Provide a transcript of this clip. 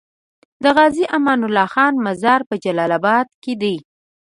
د غازي امان الله خان مزار په جلال اباد کی دی